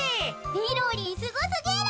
みろりんすごすぎる。